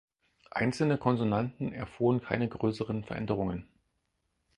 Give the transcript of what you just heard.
Einzelne Konsonanten erfuhren keine größeren Veränderungen.